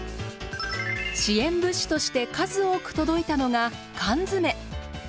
支援物資として数多く届いたのが缶詰。